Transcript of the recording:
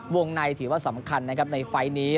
ในถือว่าสำคัญนะครับในไฟล์นี้